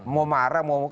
mau marah mau kacau